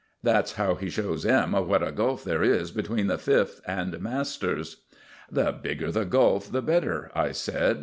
That's how he shows M. what a gulf there is even between the Fifth and masters." "The bigger the gulf the better," I said.